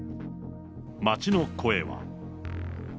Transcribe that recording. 街の声は。